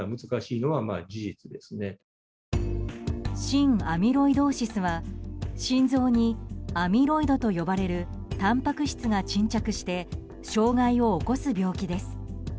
心アミロイドーシスは心臓にアミロイドと呼ばれるたんぱく質が沈着して障害を起こす病気です。